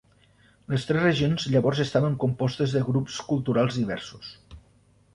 Les tres regions llavors estaven compostes de grups culturals diversos.